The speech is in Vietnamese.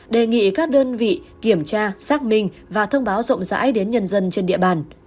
đề nghị các đơn vị kiểm tra xác minh và thông báo rộng rãi đến nhân dân trên địa bàn